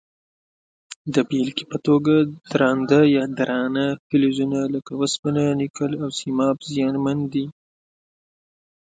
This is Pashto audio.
د بیلګې په توګه درانده فلزونه لکه وسپنه، نکل او سیماب زیانمن دي.